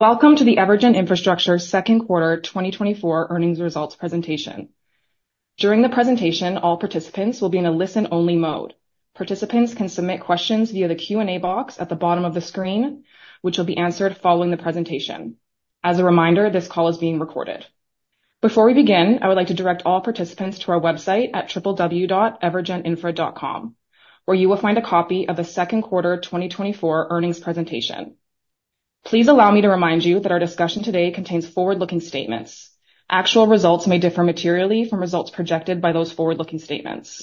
Welcome to the EverGen Infrastructure second quarter 2024 earnings results presentation. During the presentation, all participants will be in a listen-only mode. Participants can submit questions via the Q&A box at the bottom of the screen, which will be answered following the presentation. As a reminder, this call is being recorded. Before we begin, I would like to direct all participants to our website at www.evergeninfra.com, where you will find a copy of the second quarter twenty twenty-four earnings presentation. Please allow me to remind you that our discussion today contains forward-looking statements. Actual results may differ materially from results projected by those forward-looking statements.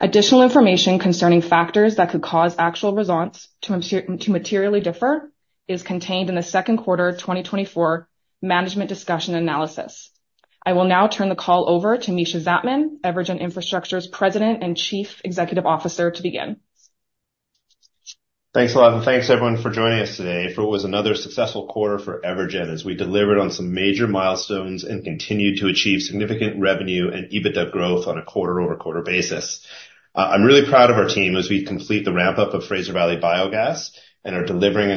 Additional information concerning factors that could cause actual results to materially differ is contained in the second quarter of twenty twenty-four Management Discussion and Analysis. I will now turn the call over to Mischa Zajtmann, EverGen Infrastructure's President and Chief Executive Officer, to begin. Thanks a lot, and thanks, everyone, for joining us today for what was another successful quarter for EverGen, as we delivered on some major milestones and continued to achieve significant revenue and EBITDA growth on a quarter-over-quarter basis. I'm really proud of our team as we complete the ramp-up of Fraser Valley Biogas and are delivering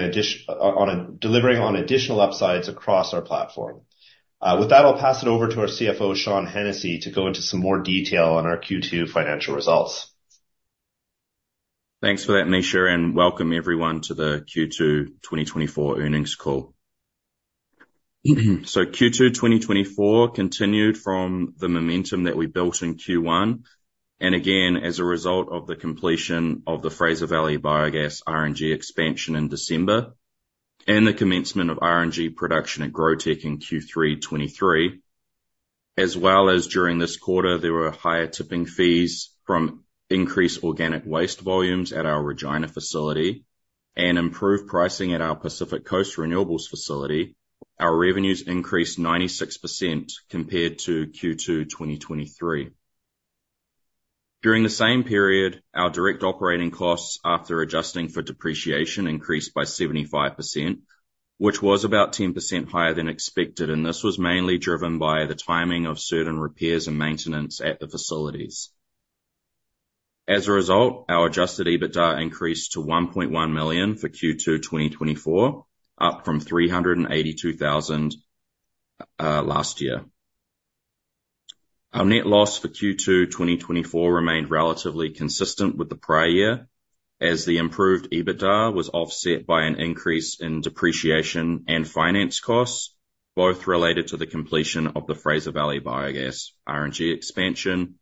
on additional upsides across our platform. With that, I'll pass it over to our CFO, Sean Hennessy, to go into some more detail on our Q2 financial results. Thanks for that, Mischa, and welcome everyone to the Q2 2024 earnings call. So Q2 2024 continued from the momentum that we built in Q1, and again, as a result of the completion of the Fraser Valley Biogas RNG expansion in December and the commencement of RNG production at GrowTec in Q3 2023, as well as during this quarter, there were higher tipping fees from increased organic waste volumes at our Regina facility and improved pricing at our Pacific Coast Renewables facility. Our revenues increased 96% compared to Q2 2023. During the same period, our direct operating costs, after adjusting for depreciation, increased by 75%, which was about 10% higher than expected, and this was mainly driven by the timing of certain repairs and maintenance at the facilities. As a result, our Adjusted EBITDA increased to 1.1 million for Q2 2024, up from 382,000 last year. Our net loss for Q2 2024 remained relatively consistent with the prior year, as the improved EBITDA was offset by an increase in depreciation and finance costs, both related to the completion of the Fraser Valley Biogas RNG expansion,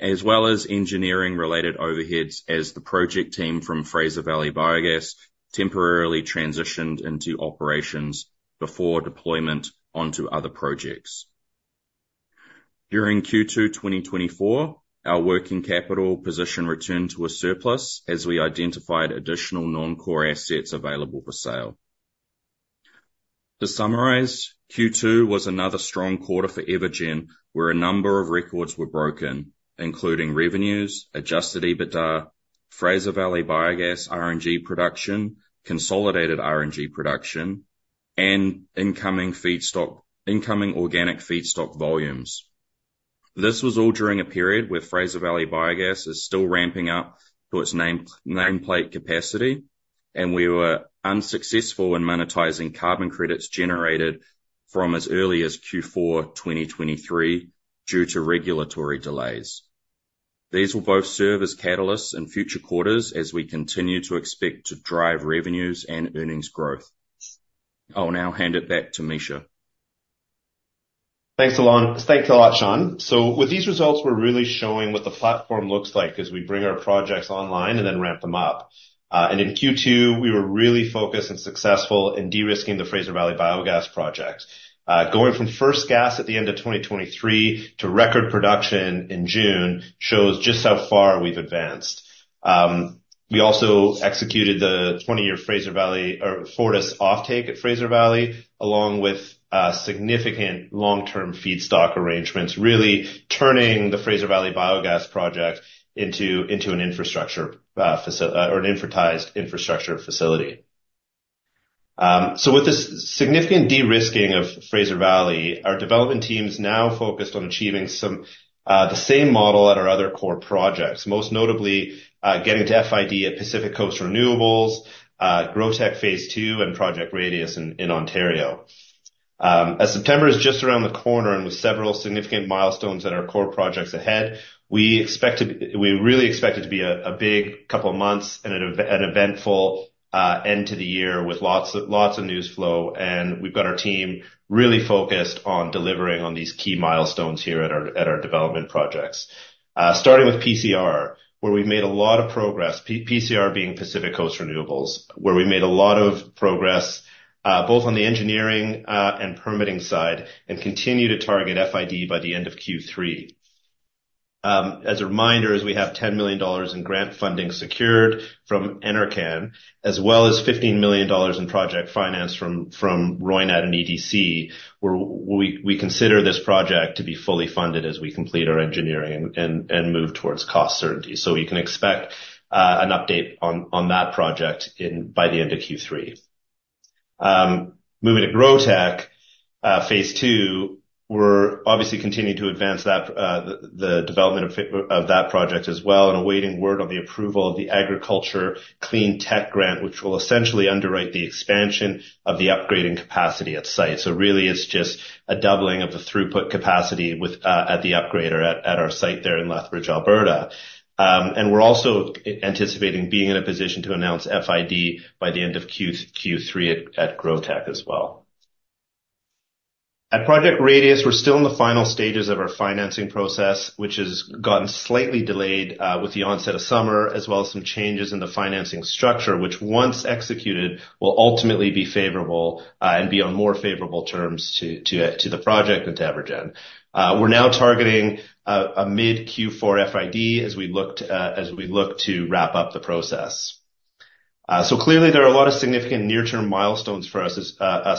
as well as engineering-related overheads, as the project team from Fraser Valley Biogas temporarily transitioned into operations before deployment onto other projects. During Q2 2024, our working capital position returned to a surplus as we identified additional non-core assets available for sale. To summarize, Q2 was another strong quarter for EverGen, where a number of records were broken, including revenues, Adjusted EBITDA, Fraser Valley Biogas RNG production, consolidated RNG production, and incoming feedstock, incoming organic feedstock volumes. This was all during a period where Fraser Valley Biogas is still ramping up to its nameplate capacity, and we were unsuccessful in monetizing carbon credits generated from as early as Q4 2023 due to regulatory delays. These will both serve as catalysts in future quarters as we continue to expect to drive revenues and earnings growth. I'll now hand it back to Mischa. Thanks a lot. Thanks a lot, Sean. So with these results, we're really showing what the platform looks like as we bring our projects online and then ramp them up, and in Q2, we were really focused and successful in de-risking the Fraser Valley Biogas project. Going from first gas at the end of 2023 to record production in June shows just how far we've advanced. We also executed the 20-year Fraser Valley or Fortis offtake at Fraser Valley, along with significant long-term feedstock arrangements, really turning the Fraser Valley Biogas project into an infrastructure or an infratized infrastructure facility. So with this significant de-risking of Fraser Valley, our development team is now focused on achieving the same model at our other core projects, most notably, getting to FID at Pacific Coast Renewables, GrowTec Phase Two, and Project Radius in Ontario. As September is just around the corner and with several significant milestones at our core projects ahead, we really expect it to be a big couple of months and an eventful end to the year with lots of news flow, and we've got our team really focused on delivering on these key milestones here at our development projects. Starting with PCR, where we've made a lot of progress. PCR being Pacific Coast Renewables, where we made a lot of progress both on the engineering and permitting side, and continue to target FID by the end of Q3. As a reminder, we have 10 million dollars in grant funding secured from NRCan, as well as 15 million dollars in project finance from Roynat and EDC, where we consider this project to be fully funded as we complete our engineering and move towards cost certainty. So we can expect an update on that project by the end of Q3. Moving to GrowTec phase two, we're obviously continuing to advance that, the development of that project as well, and awaiting word on the approval of the Agricultural Clean Technology grant, which will essentially underwrite the expansion of the upgrading capacity at site. Really, it's just a doubling of the throughput capacity with at the upgrader at our site there in Lethbridge, Alberta. We're also anticipating being in a position to announce FID by the end of Q3 at GrowTec as well. At Project Radius, we're still in the final stages of our financing process, which has gotten slightly delayed with the onset of summer, as well as some changes in the financing structure, which once executed, will ultimately be favorable and be on more favorable terms to the project and to EverGen. We're now targeting a mid Q4 FID as we look to wrap up the process. So clearly, there are a lot of significant near-term milestones for us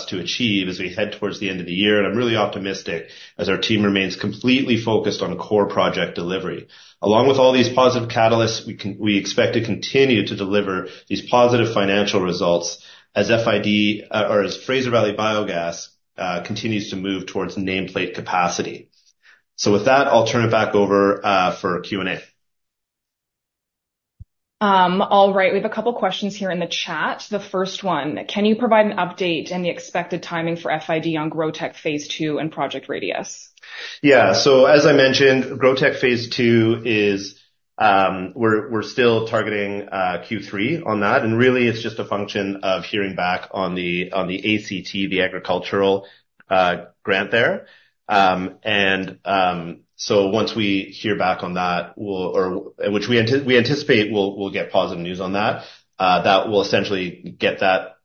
to achieve as we head towards the end of the year, and I'm really optimistic as our team remains completely focused on core project delivery. Along with all these positive catalysts, we expect to continue to deliver these positive financial results as FID or as Fraser Valley Biogas continues to move towards nameplate capacity. So with that, I'll turn it back over for Q&A. All right. We have a couple of questions here in the chat. The first one: Can you provide an update and the expected timing for FID on GrowTec Phase Two and Project Radius? Yeah. So as I mentioned, GrowTec Phase Two is, we're still targeting Q3 on that, and really, it's just a function of hearing back on the, on the ACT, the agricultural grant there. So once we hear back on that, we'll or which we anticipate, we'll get positive news on that. That will essentially get that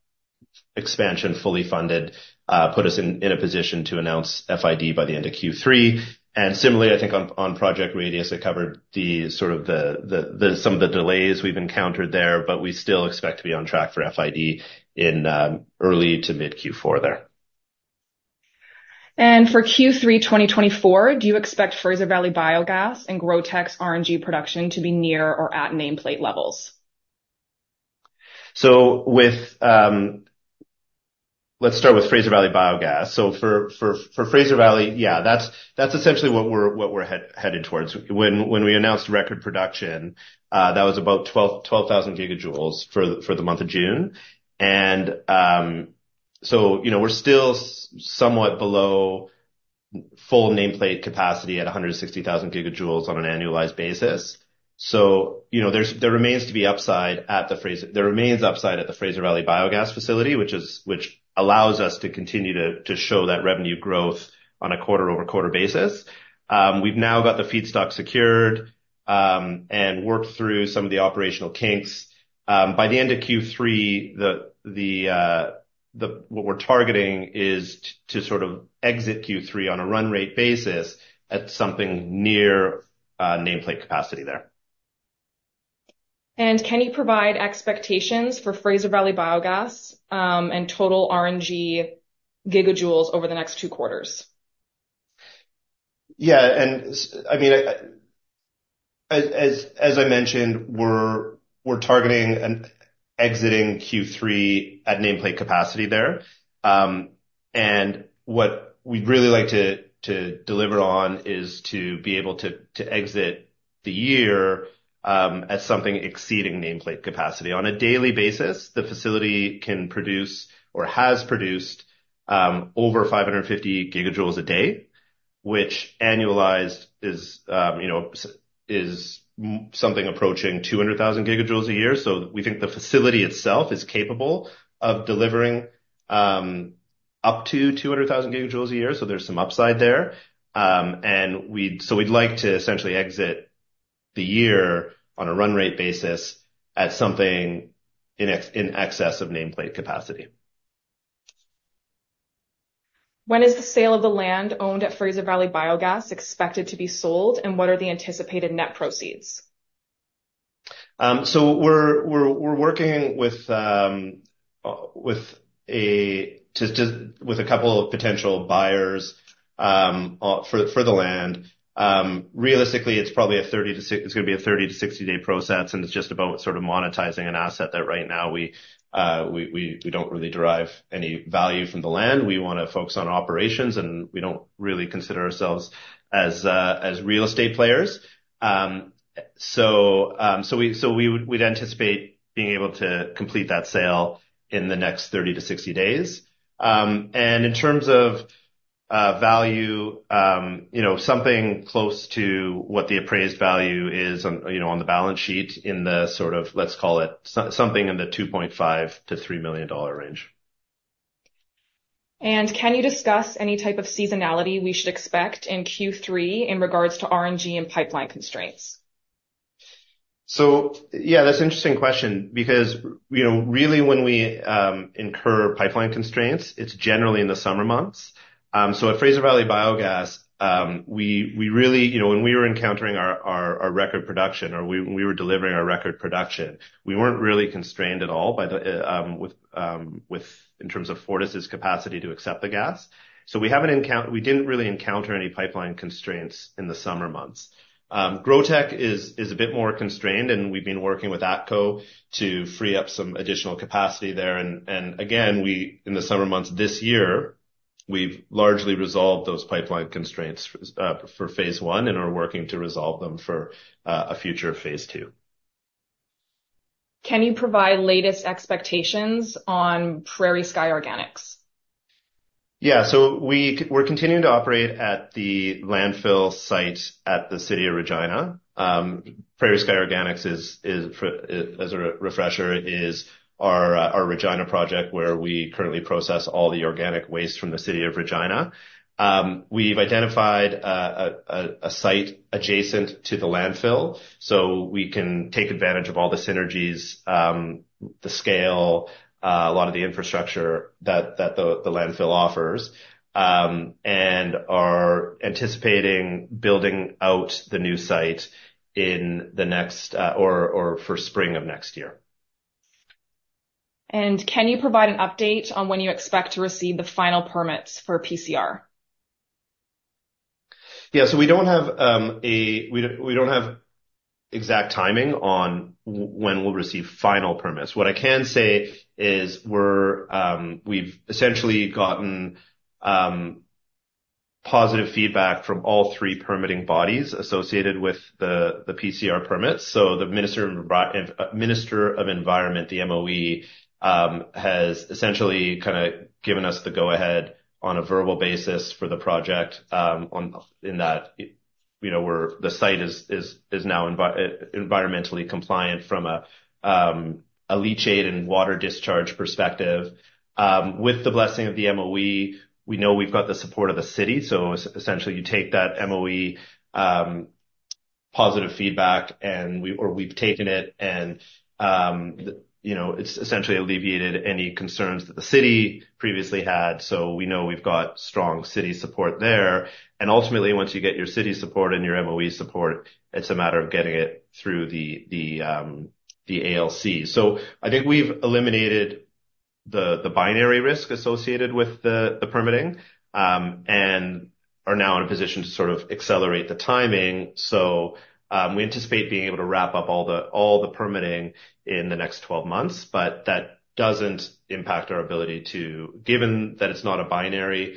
expansion fully funded, put us in a position to announce FID by the end of Q3. And similarly, I think on Project Radius, I covered the sort of the some of the delays we've encountered there, but we still expect to be on track for FID in early to mid Q4 there. For Q3, 2024, do you expect Fraser Valley Biogas and GrowTec's RNG production to be near or at nameplate levels? Let's start with Fraser Valley Biogas. So for Fraser Valley, yeah, that's essentially what we're headed towards. When we announced record production, that was about 12,000 gigajoules for the month of June. And so, you know, we're still somewhat below full nameplate capacity at 160,000 gigajoules on an annualized basis. So, you know, there remains upside at the Fraser Valley Biogas facility, which allows us to continue to show that revenue growth on a quarter-over-quarter basis. We've now got the feedstock secured and worked through some of the operational kinks. By the end of Q3, the... What we're targeting is to sort of exit Q3 on a run rate basis at something near nameplate capacity there. Can you provide expectations for Fraser Valley Biogas, and total RNG gigajoules over the next two quarters? Yeah, and I mean, as I mentioned, we're targeting and exiting Q3 at nameplate capacity there. And what we'd really like to deliver on is to be able to exit the year at something exceeding nameplate capacity. On a daily basis, the facility can produce or has produced over 550 gigajoules a day, which annualized is, you know, something approaching 200,000 gigajoules a year. So we think the facility itself is capable of delivering up to 200,000 gigajoules a year, so there's some upside there. And so we'd like to essentially exit the year on a run rate basis at something in excess of nameplate capacity. When is the sale of the land owned at Fraser Valley Biogas expected to be sold, and what are the anticipated net proceeds? So we're working with a couple of potential buyers for the land. Realistically, it's probably a thirty to sixty day process, and it's just about sort of monetizing an asset that right now we don't really derive any value from the land. We wanna focus on operations, and we don't really consider ourselves as real estate players. So we would anticipate being able to complete that sale in the next thirty to sixty days. And in terms of value, you know, something close to what the appraised value is on, you know, on the balance sheet, in the sort of- let's call it something in the 2.5-3 million dollar range. Can you discuss any type of seasonality we should expect in Q3 in regards to RNG and pipeline constraints? So, yeah, that's an interesting question because, you know, really, when we incur pipeline constraints, it's generally in the summer months, so at Fraser Valley Biogas, we really, you know, when we were encountering our record production, or we were delivering our record production, we weren't really constrained at all in terms of Fortis's capacity to accept the gas, so we didn't really encounter any pipeline constraints in the summer months. GrowTec is a bit more constrained, and we've been working with ATCO to free up some additional capacity there, and again, in the summer months this year we've largely resolved those pipeline constraints for phase one and are working to resolve them for a future phase two. Can you provide latest expectations on Prairie Sky Organics? Yeah. So we're continuing to operate at the landfill site at the City of Regina. Prairie Sky Organics is, as a refresher, our Regina project, where we currently process all the organic waste from the City of Regina. We've identified a site adjacent to the landfill, so we can take advantage of all the synergies, the scale, a lot of the infrastructure that the landfill offers. And are anticipating building out the new site for spring of next year. Can you provide an update on when you expect to receive the final permits for PCR? Yeah, so we don't have exact timing on when we'll receive final permits. What I can say is we've essentially gotten positive feedback from all three permitting bodies associated with the PCR permits. So the Minister of Environment, the MOE, has essentially kind of given us the go-ahead on a verbal basis for the project, on in that, you know, the site is now environmentally compliant from a leachate and water discharge perspective. With the blessing of the MOE, we know we've got the support of the city. So essentially, you take that MOE positive feedback, and we've taken it, and, you know, it's essentially alleviated any concerns that the city previously had. So we know we've got strong city support there, and ultimately, once you get your city support and your MOE support, it's a matter of getting it through the ALC. So I think we've eliminated the binary risk associated with the permitting and are now in a position to sort of accelerate the timing. So we anticipate being able to wrap up all the permitting in the next twelve months, but that doesn't impact our ability to... Given that it's not a binary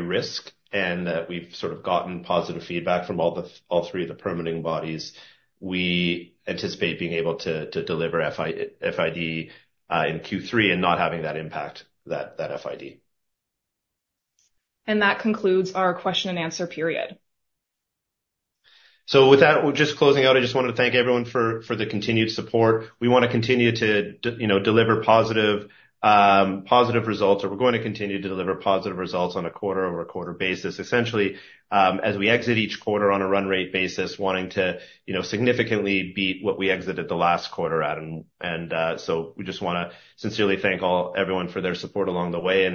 risk, and that we've sort of gotten positive feedback from all three of the permitting bodies, we anticipate being able to deliver FID in Q3 and not having that impact that FID. That concludes our question and answer period. So with that, just closing out, I just wanted to thank everyone for the continued support. We wanna continue to you know, deliver positive results, or we're going to continue to deliver positive results on a quarter-over-quarter basis, essentially, as we exit each quarter on a run rate basis, wanting to, you know, significantly beat what we exited the last quarter at. And so we just wanna sincerely thank everyone for their support along the way,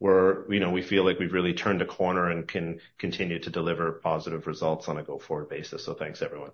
and we're, you know, we feel like we've really turned a corner and can continue to deliver positive results on a go-forward basis. So thanks, everyone.